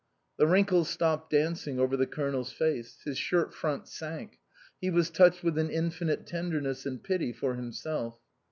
The wrinkles stopped dancing over the Colonel's face ; his shirt front sank ; he was touched with an infinite tenderness and pity for himself.